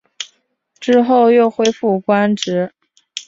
之后又恢复官职。